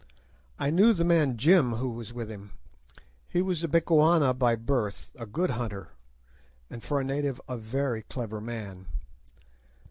I knew the man Jim who was with him. He was a Bechuana by birth, a good hunter, and for a native a very clever man.